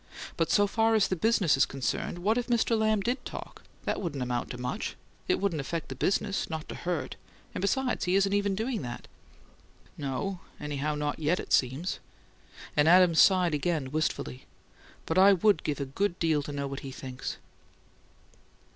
But so far as the business is concerned, what if Mr. Lamb did talk? That wouldn't amount to much. It wouldn't affect the business; not to hurt. And, besides, he isn't even doing that." "No; anyhow not yet, it seems." And Adams sighed again, wistfully. "But I WOULD give a good deal to know what he thinks!"